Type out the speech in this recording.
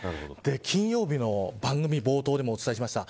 金曜日の番組冒頭でもお伝えしました。